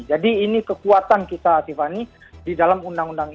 jadi ini kekuatan kita devani di dalam undang undang ini